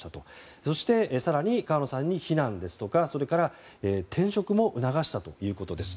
そして、更に川野さんに避難ですとかそれから転職も促したということです。